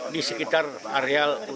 di sekitar areal